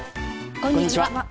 こんにちは。